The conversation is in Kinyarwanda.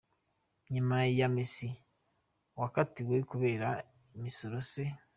Nyuma ya Messi wakatiwe kubera imisoro, C.